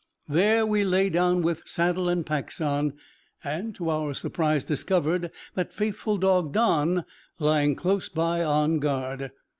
There we lay down with saddle and packs on, and, to our surprise, discovered that faithful dog, Don, lying close by, on guard.